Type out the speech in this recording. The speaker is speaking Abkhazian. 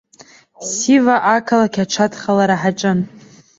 Сива ақалақь аҽадхалара ҳаҿын.